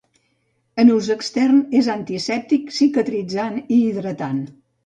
En ús extern és antisèptic, cicatritzant i hidratant.